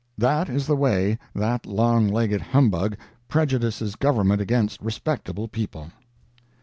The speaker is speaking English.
"That is the way that long legged humbug prejudices Government against respectable people."